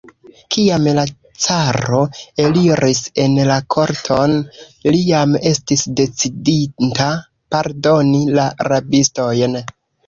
Kiam la caro eliris en la korton, li jam estis decidinta pardoni la rabistojn.